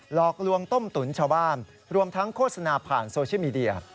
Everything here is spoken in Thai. หลอกลวงต้มตุ๋นชาวบ้านรวมทั้งโฆษณาผ่านโซเชียลมีเดีย